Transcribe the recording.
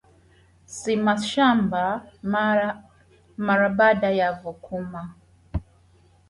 Lima shamba mara baada ya kuvuna